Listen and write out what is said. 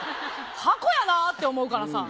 箱やなって思うからさ。